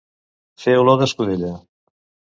Fer olor d'escudella.